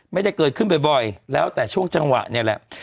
ไม่ได้เกิดขึ้นบ่อยแล้วแต่ช่วงจังหวะเนี่ยแหละ